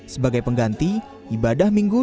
sebagai pengganti ibadah minggu